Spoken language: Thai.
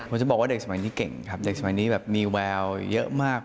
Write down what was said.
ผมจะบอกว่าเด็กสมัยนี้เก่งครับเด็กสมัยนี้แบบมีแววเยอะมาก